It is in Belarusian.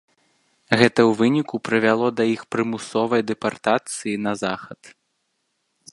Гэта ў выніку прывяло да іх прымусовай дэпартацыі на захад.